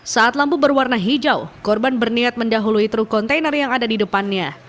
saat lampu berwarna hijau korban berniat mendahului truk kontainer yang ada di depannya